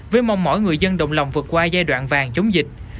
với mong mọi người dân động lòng vượt qua giai đoạn vàng chống dịch